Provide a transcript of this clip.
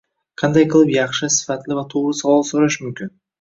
Qanday qilib yaxshi, sifatli va to’g’ri savol so’rash mumkin